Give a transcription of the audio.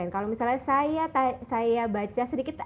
kalau misalnya saya baca sedikit